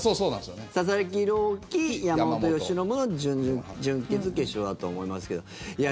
希、山本由伸の準決、決勝だと思いますけどいや